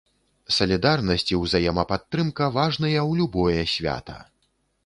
Салідарнасць і ўзаемападтрымка важныя ў любое свята.